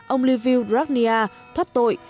ông liviu dragnea thoát tội